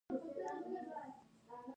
تعلیم نجونو ته د ستن لګولو مهارت ورکوي.